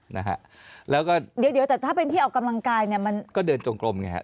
นะฮะแล้วก็เดี๋ยวเดี๋ยวแต่ถ้าเป็นที่ออกกำลังกายเนี่ยมันก็เดินจงกลมไงฮะ